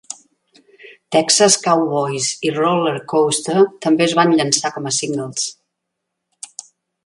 Texas Cowboys i Rollercoaster també es van llançar com a singles.